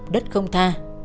đất không tha